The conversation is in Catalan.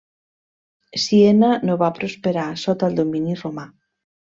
Siena no va prosperar sota el domini romà.